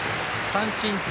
三振。